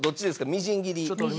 みじん切り。